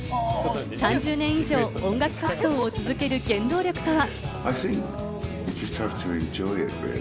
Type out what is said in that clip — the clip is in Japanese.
３０年以上音楽活動を続ける原動力とは？